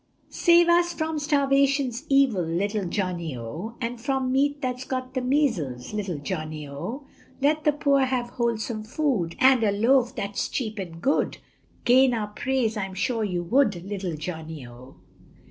Save us from starvation's evil, Little Johnny, O, And from meat that's got the measles, Little Johnny, O, Let the poor have wholesome food, And a loaf that's cheap and good, Gain our praise I'm sure you would, Little Johnny, O.